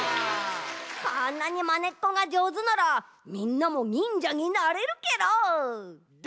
こんなにまねっこがじょうずならみんなも忍者になれるケロ！